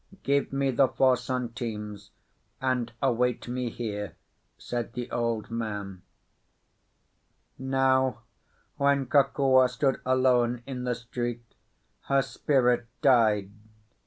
"Give me the four centimes and await me here," said the old man. Now, when Kokua stood alone in the street, her spirit died.